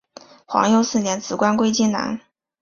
皇佑四年辞官归荆南。